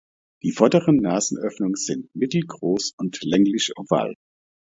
Die vorderen Nasenöffnungen sind mittelgroß und länglich oval.